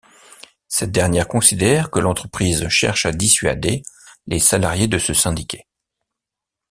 Cette dernière considère que l'entreprise cherche à dissuader les salariés de se syndiquer.